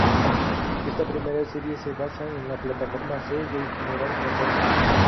Esta primera serie se basa en la plataforma C de General Motors.